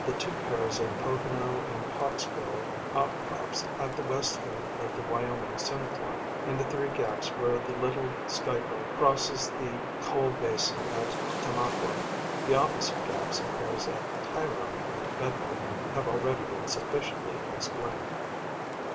251 two pairs of Pocono and Pottsville outcrops at the west end of the Wyoming syncline, and the three gaps where the Little Schuylkill crosses the coal basin at Tamaqua ; the opposite gaps in pairs at Tyrone and Bedford have already been sufficiently explained.